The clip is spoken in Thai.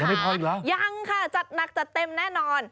ไม่พออีกแล้วยังค่ะจัดหนักจัดเต็มแน่นอน